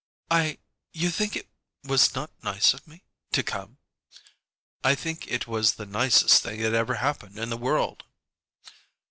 "I You think it was not nice of me to come?" "I think it was the nicest thing that ever happened in the world."